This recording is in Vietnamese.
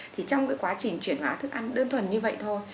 trong quá trình chuyển hóa thức ăn đơn thuần như vậy thôi